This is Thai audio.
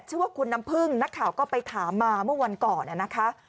ชื่อว่าคุณน้ำพึ่งนักข่าวก็ไปถามมาเมื่อวันก่อนนะคะ